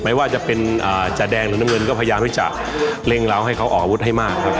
ไม่ว่าจะเป็นจาแดงหรือน้ำเงินก็พยายามที่จะเร่งร้าวให้เขาออกอาวุธให้มากครับ